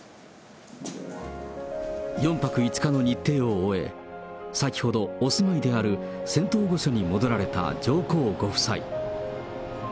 ４泊５日の日程を終え、先ほど、お住まいである仙洞御所に戻られた上皇ご夫妻。